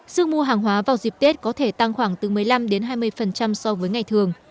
sức mua hàng hóa vào dịp tết có thể tăng khoảng từ một mươi năm đến hai mươi so với ngày thường